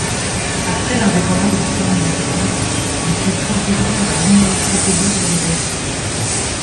Après l'indépendance du Congo belge, il fut professeur à l'Université libre de Bruxelles.